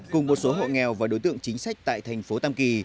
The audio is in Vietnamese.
cùng một số hộ nghèo và đối tượng chính sách tại thành phố tam kỳ